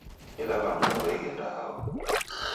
Ela w'andu w'aw'eghenda hao